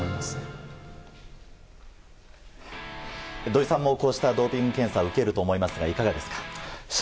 土井さんもこうしたドーピング検査を受けると思いますがいかがですか？